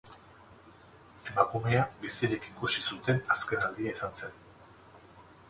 Emakumea bizirik ikusi zuten azken aldia izan zen.